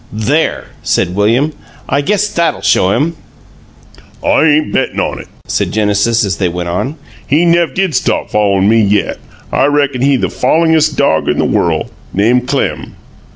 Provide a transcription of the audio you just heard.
"There!" said William. "I guess that 'll show him!" "I ain' bettin' on it!" said Genesis, as they went on. "He nev' did stop foll'in' me yet. I reckon he the foll'indest dog in the worl'! Name Clem."